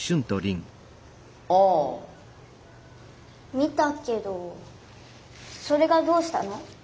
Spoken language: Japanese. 見たけどそれがどうしたの？